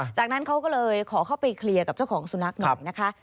จากนั้นเขาก็เลยขอเข้าไปเคลียร์กับเจ้าของสุนัขหน่อยนะคะ